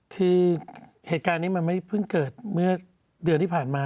คือเหตุการณ์นี้มันไม่เพิ่งเกิดเมื่อเดือนที่ผ่านมา